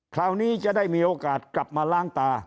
คราวนี้จะได้มีโอกาสกลับมาล้างตา